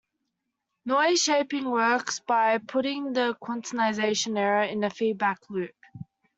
Noise shaping works by putting the quantization error in a feedback loop.